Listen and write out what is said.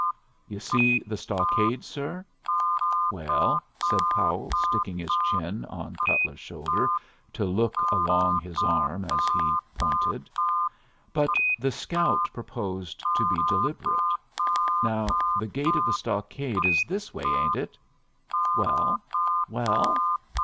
"You see the stockade, sir?" "Well?" said Powell, sticking his chin on Cutler's shoulder to look along his arm as he pouted. But the scout proposed to be deliberate. "Now the gate of the stockade is this way, ain't it?" "Well, well?"